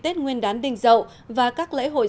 tết nguyên đán đình dậu và các lễ hội